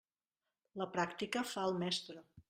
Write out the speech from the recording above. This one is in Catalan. La pràctica fa al mestre.